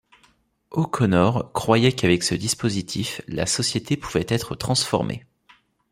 O'Connor croyait qu'avec ce dispositif la société pouvait être transformée.